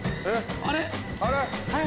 あれ？